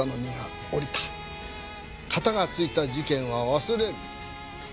カタがついた事件は忘れる。